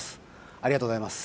ありがとうございます